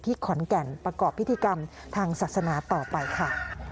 ขอนแก่นประกอบพิธีกรรมทางศาสนาต่อไปค่ะ